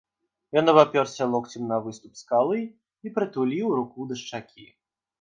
Ён абапёрся локцем на выступ скалы і прытуліў руку да шчакі.